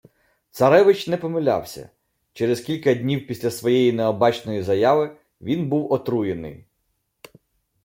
Царевич не помилявся: через кілька днів після своєї необачної заяви він був отруєний